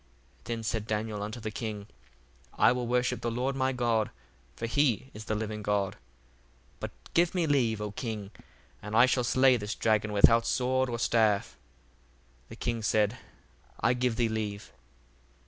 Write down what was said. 1:25 Then said Daniel unto the king, I will worship the Lord my God: for he is the living God. 1:26 But give me leave, O king, and I shall slay this dragon without sword or staff. The king said, I give thee leave.